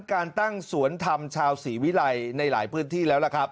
การตั้งสวนธรรมชาวศรีวิรัยในหลายพื้นที่แล้วล่ะครับ